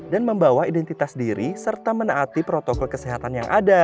dan membawa identitas diri serta menaati protokol kesehatan yang ada